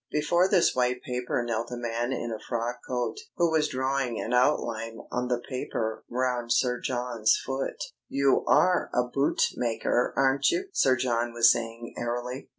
Before this white paper knelt a man in a frock coat, who was drawing an outline on the paper round Sir John's foot. "You are a bootmaker, aren't you?" Sir John was saying airily.